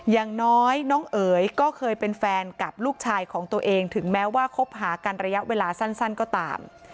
อย่างน้อยน้องเอ๋ยก็เคยเป็นแฟนกับลูกชายของตัวเองถึงแม้ว่าคบหากันระยะเวลาสั้นก็ตาม